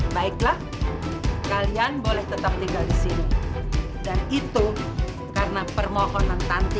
baiklah kalian boleh tetap tinggal di sini dan itu karena permohonan tanti